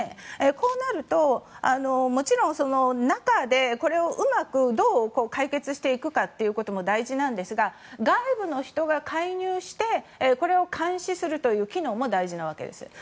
こうなるともちろん中で、これをうまくどう解決していくかということも大事なんですが外部の人が介入してこれを監視するという機能も大事なわけです。